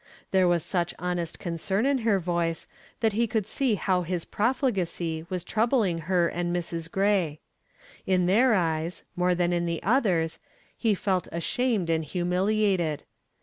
There was such honest concern in her voice that he could see how his profligacy was troubling her and Mrs. Gray. In their eyes, more than in the others, he felt ashamed and humiliated.